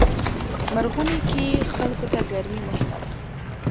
مرغومی کې خلکو ته ګرمي مهمه وي.